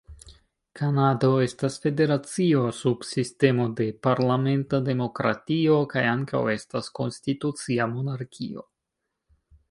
Kanado estas federacio sub sistemo de parlamenta demokratio, kaj ankaŭ estas konstitucia monarkio.